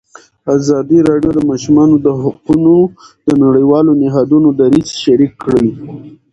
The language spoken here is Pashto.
ازادي راډیو د د ماشومانو حقونه د نړیوالو نهادونو دریځ شریک کړی.